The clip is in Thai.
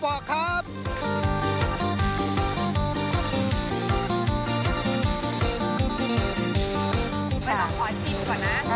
ไปลองขอชิมก่อนนะครับโอเคค่ะ